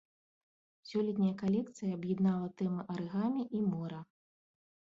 Сёлетняя калекцыя аб'яднала тэмы арыгамі і мора.